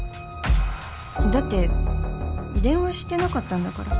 だって電話してなかったんだから